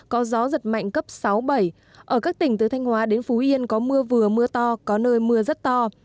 có gió giật mạnh cấp sáu bảy ở các tỉnh từ thanh hóa đến phú yên có mưa vừa mưa to có nơi mưa rất to